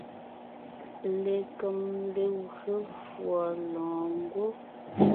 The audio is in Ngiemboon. Lekem legwé fùɔ lɔ̀ɔngwɔ́.